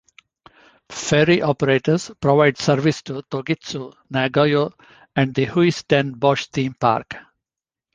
Ferry operators provide service to Togitsu, Nagayo, and the Huis ten Bosch theme park.